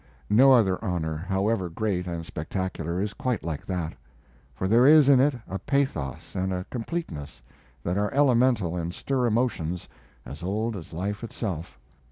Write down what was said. No other honor, however great and spectacular, is quite like that, for there is in it a pathos and a completeness that are elemental and stir emotions as old as life itself.